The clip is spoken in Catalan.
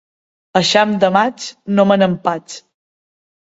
Eixam de maig, no me n'empatx.